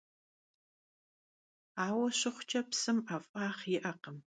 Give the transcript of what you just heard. Aue şıxhuç'i, psım 'ef'ağ yi'ekhım!